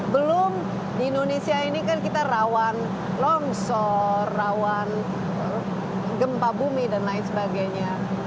belum di indonesia ini kan kita rawan longsor rawan gempa bumi dan lain sebagainya